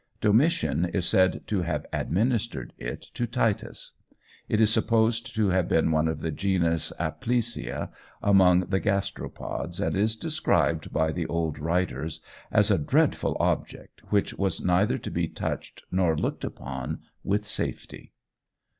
Domitian is said to have administered it to Titus. It is supposed to have been one of the genus Aplysia, among the gasteropods, and is described by the old writers as a dreadful object, which was neither to be touched nor looked upon with safety.